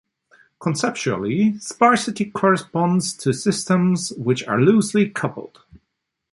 Conceptually, sparsity corresponds to systems which are loosely coupled.